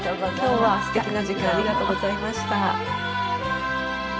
今日は素敵な時間ありがとうございました。